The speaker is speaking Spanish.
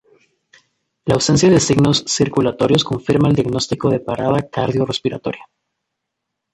La ausencia de signos circulatorios confirma el diagnóstico de parada cardiorrespiratoria.